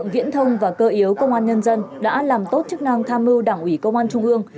viễn thông và cơ yếu công an nhân dân đã làm tốt chức năng tham mưu đảng ủy công an trung ương